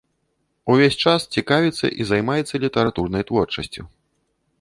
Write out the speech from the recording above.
Увесь час цікавіцца і займаецца літаратурнай творчасцю.